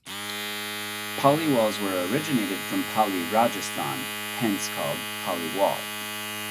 Paliwals were originated from Pali, Rajasthan hence called Paliwal.